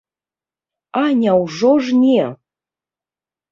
А няўжо ж не!